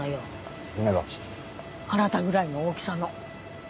あなたぐらいの大きさの。